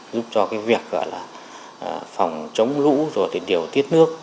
giúp cho việc phòng chống lũ điều tiết nước